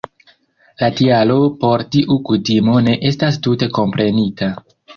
La tialo por tiu kutimo ne estas tute komprenita.